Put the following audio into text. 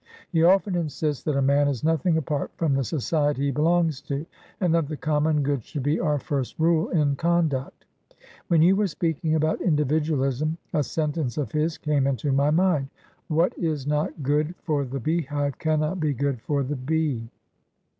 He often insists that a man is nothing apart from the society he belongs to, and that the common good should be our first rule in conduct. When you were speaking about individualism a sentence of his came into my mind. 'What is not good for the beehive cannot be good for the bee.'"